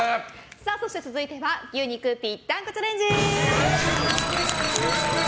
そして続いては牛肉ぴったんこチャレンジ！